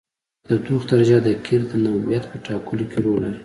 د تودوخې درجه د قیر د نوعیت په ټاکلو کې رول لري